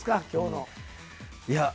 今日の。